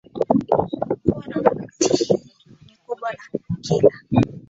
kuwa na miti hii mikubwa Na kila